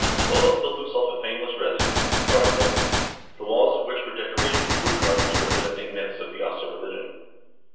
Olav built himself a famous residence, Hjardarholt, the walls of which were decorated with wood carvings representing myths of the Asa religion.